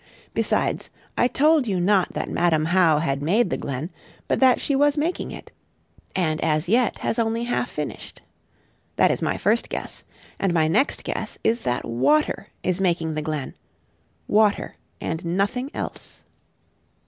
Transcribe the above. Besides, I told you not that Madam How had made the glen, but that she was making it, and as yet has only half finished. That is my first guess; and my next guess is that water is making the glen water, and nothing else.